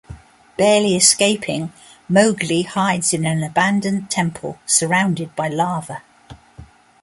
Barely escaping, Mowgli hides in an abandoned temple surrounded by lava.